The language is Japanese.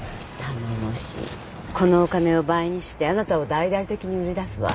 このお金を倍にしてあなたを大々的に売り出すわ。